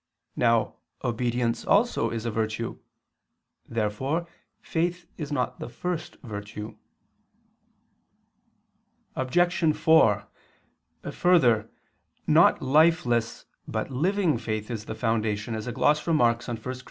Now obedience also is a virtue. Therefore faith is not the first virtue. Obj. 4: Further, not lifeless but living faith is the foundation, as a gloss remarks on 1 Cor.